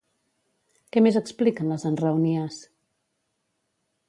Què més expliquen les enraonies?